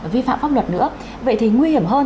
vi phạm pháp luật nữa vậy thì nguy hiểm hơn